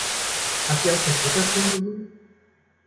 Habt ihr auch den Petersdom besucht?